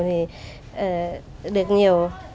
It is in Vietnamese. thì được nhiều